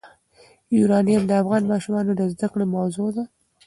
یورانیم د افغان ماشومانو د زده کړې موضوع ده.